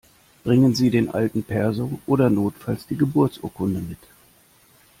Bringen Sie den alten Perso oder notfalls die Geburtsurkunde mit!